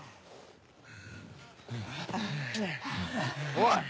おい！